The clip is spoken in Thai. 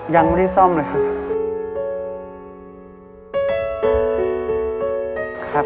ยังไม่ได้ซ่อมเลยครับ